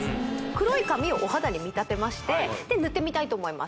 黒い紙をお肌に見立てまして塗ってみたいと思います